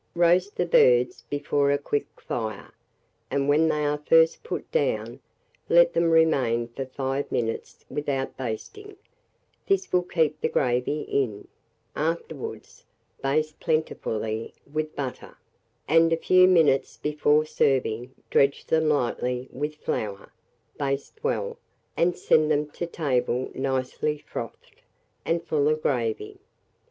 Roast the birds before a quick fire, and, when they are first put down, let them remain for 5 minutes without basting (this will keep the gravy in); afterwards baste plentifully with butter, and a few minutes before serving dredge them lightly with flour; baste well, and send them to table nicely frothed, and full of gravy.